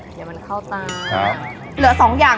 เดี๋ยวมันเข้าตาม